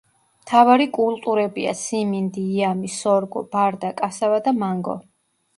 მთავარი კულტურებია სიმინდი, იამი, სორგო, ბარდა, კასავა და მანგო.